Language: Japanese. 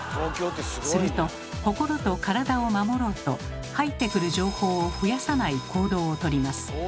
すると心と体を守ろうと入ってくる情報を増やさない行動を取ります。